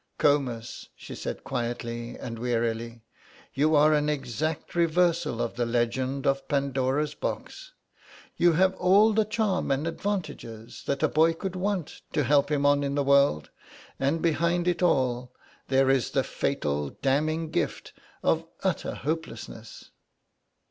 "Comus," she said quietly and wearily, "you are an exact reversal of the legend of Pandora's Box. You have all the charm and advantages that a boy could want to help him on in the world, and behind it all there is the fatal damning gift of utter hopelessness."